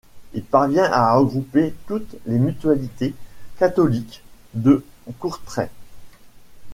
Il parvint à regrouper toutes les mutualités catholiques de Courtrai.